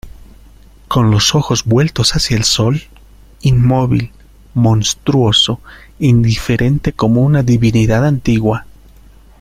con los ojos vueltos hacia el sol, inmóvil , monstruoso , indiferente como una divinidad antigua.